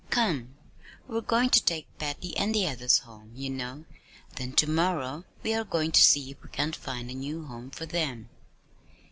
Come, we're going to take Patty and the others home, you know, then to morrow we are going to see if we can't find a new home for them."